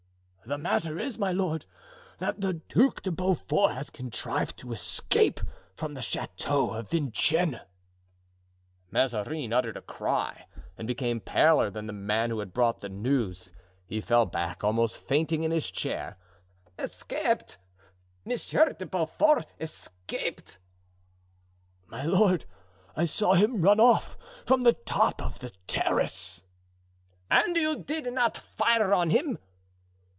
"The matter is, my lord, that the Duc de Beaufort has contrived to escape from the Chateau of Vincennes." Mazarin uttered a cry and became paler than the man who had brought the news. He fell back, almost fainting, in his chair. "Escaped? Monsieur de Beaufort escaped?" "My lord, I saw him run off from the top of the terrace." "And you did not fire on him?"